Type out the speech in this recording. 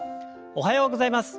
おはようございます。